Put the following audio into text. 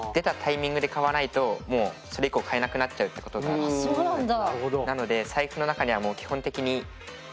あっそうなんだ。